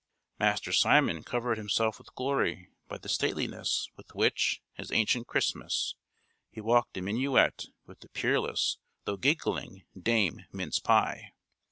Master Simon covered himself with glory by the stateliness with which, as Ancient Christmas, he walked a minuet with the peerless, though giggling, Dame Mince Pie.